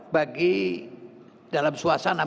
bagi dalam suasana